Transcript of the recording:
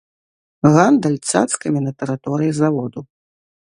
Гандаль цацкамі на тэрыторыі заводу.